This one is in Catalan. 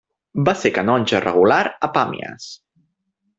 Va ser canonge regular a Pàmies.